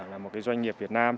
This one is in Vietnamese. là một cái doanh nghiệp việt nam